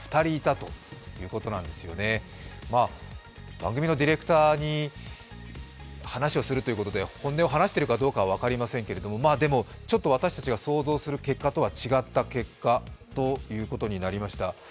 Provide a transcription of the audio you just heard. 番組のディレクターに話をするということで本音を話しているかどうかは分かりませんけど、私たちが想像する結果とは違ったものとなりました。